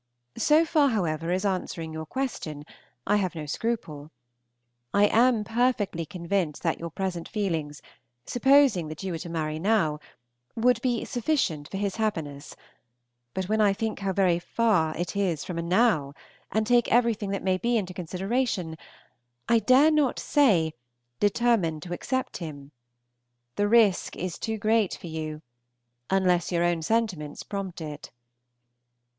So far, however, as answering your question, I have no scruple. I am perfectly convinced that your present feelings, supposing that you were to marry now, would be sufficient for his happiness; but when I think how very, very far it is from a "now," and take everything that may be into consideration, I dare not say, "Determine to accept him;" the risk is too great for you, unless your own sentiments prompt it.